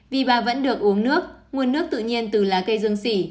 vì bà vẫn được uống nước nguồn nước tự nhiên từ lá cây dương sỉ